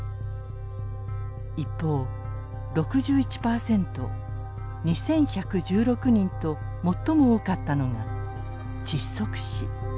一方６１％２，１１６人と最も多かったのが窒息死。